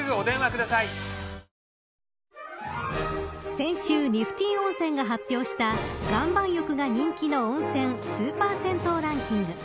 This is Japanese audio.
先週ニフティ温泉が発表した岩盤浴が人気の温泉スーパー銭湯ランキング。